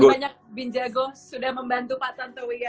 dimana banyak bin jago sudah membantu pak tantoy ya ya